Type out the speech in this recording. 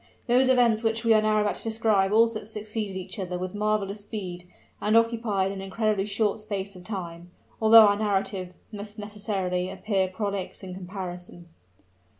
Those events which we are now about to describe also succeeded each other with marvelous speed, and occupied an incredibly short space of time, although our narrative must necessarily appear prolix in comparison.